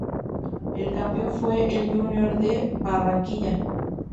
El campeón fue el Junior de Barranquilla.